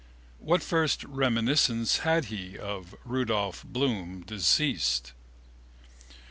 What first reminiscence had he of Rudolph Bloom (deceased)?